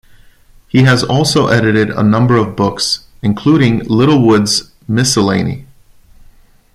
He has also edited a number of books, including "Littlewood's Miscellany".